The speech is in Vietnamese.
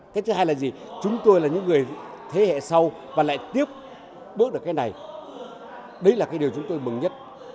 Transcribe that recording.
cái thứ hai là gì chúng tôi là những người thế hệ sau và lại tiếp bước được cái này đấy là cái điều chúng tôi mừng nhất